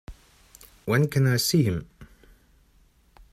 When can I see him?